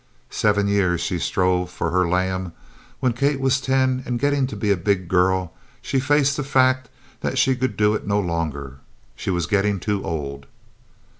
Seven years she strove for her "lamb." When Kate was ten and getting to be a big girl, she faced the fact that she could do it no longer. She was getting too old.